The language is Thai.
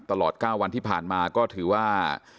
ตลอด๙วันที่ผ่านมาก็ถือว่า